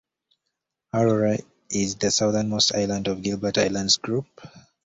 Arorae is the southern-most island in the Gilbert Islands group.